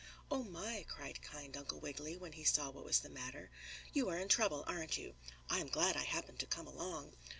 "Oh, my!" cried kind Uncle Wiggily, when he saw what was the matter. "You are in trouble, aren't you? I'm glad I happened to come along."